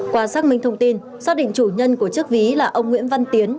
qua xác minh thông tin xác định chủ nhân của chiếc ví là ông nguyễn văn tiến